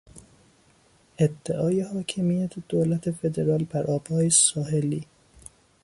ادعای حاکمیت دولت فدرال بر آبهای ساحلی